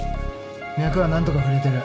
脈は何とか触れてる。